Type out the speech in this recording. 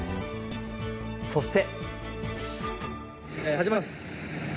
そして。